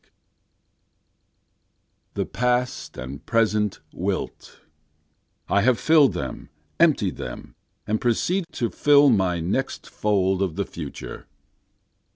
51 The past and present wilt I have fill'd them, emptied them. And proceed to fill my next fold of the future.